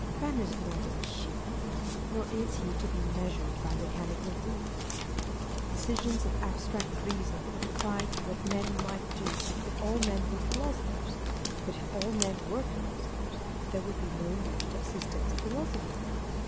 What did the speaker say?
Man is not a machine ; nor is he to be measured by mechanical rules. The decisions of abstract reason would apply to what men might do if all men were philo sophers : but if all men were philosophers, there would be no need of systems of philosophy